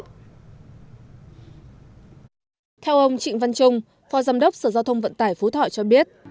theo ông trịnh văn trung phó giám đốc sở giao thông vận tải phú thọ cho biết